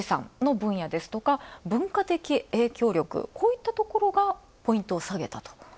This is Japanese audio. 分野ですとか、文化的影響力、こういったところがポイントを下げた。